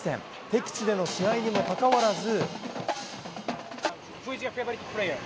敵地での試合にもかかわらず。